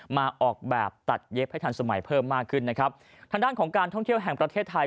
มาออกแบบตัดเย็บให้ทันสมัยเพิ่มมากขึ้นนะครับทางด้านของการท่องเที่ยวแห่งประเทศไทย